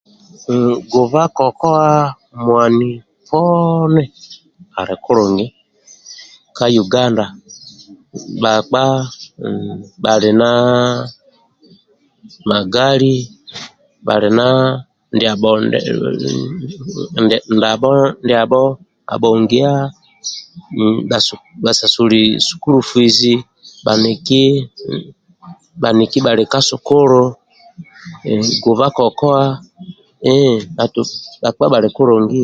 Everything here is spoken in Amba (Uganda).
Ehhh guba kokowa mwani poni ali kulungi ka uganda bhakpa bhali na gali hali na ndabho ndabho abhongia bhasasuli sukulu fizi bhaniki bhali ka sukulu fu a kokowa hhh bhakpa bhali kulungie